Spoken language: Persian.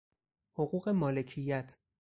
حقوق مالکیت